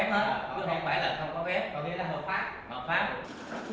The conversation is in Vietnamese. có phép không phải là không có phép có nghĩa là hợp pháp